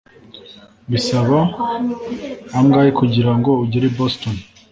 Bisaba angahe kugirango ugere i Boston?